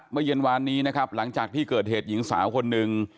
เมื่อเย็นวานนี้นะครับหลังจากที่เกิดเหตุหญิงสาวคนหนึ่ง